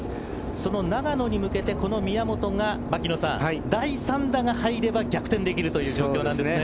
その永野に向けて、この宮本が牧野さん、第３打が入れば逆転できるという状況ですね。